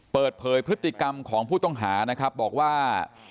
เปิดเผยพฤติกรรมของผู้ต้องหานะครับบอกว่า